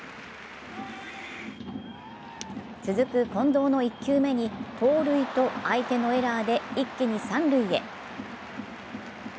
続く近藤の１球目に盗塁と相手のエラーで一気に三塁へ。